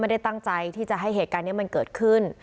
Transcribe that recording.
ไม่ได้ตั้งใจที่จะให้เหตุการณ์นี้มันเกิดขึ้น